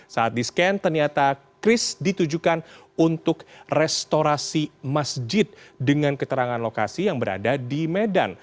saat di scan ternyata kris ditujukan untuk restorasi masjid dengan keterangan lokasi yang berada di medan